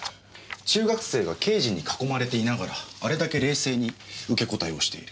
中学生が刑事に囲まれていながらあれだけ冷静に受け答えをしている。